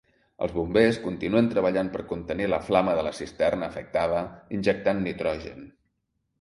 Els bombers continuen treballant per contenir la flama de la cisterna afectada injectant nitrogen.